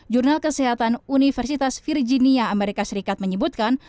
jurnal kesehatan universitas virginia amerika serikat menyebutkan